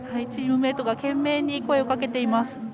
チームメートが懸命に声をかけています。